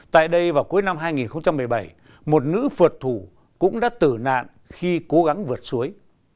tại đây vào cuối năm hai nghìn một mươi bảy một nữ phượt thủ cũng đã tử nạn khi cố gắng vượt suối